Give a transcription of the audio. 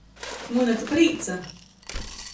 Muna tu prīca!